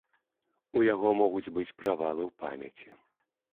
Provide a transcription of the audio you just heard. У яго могуць быць правалы ў памяці.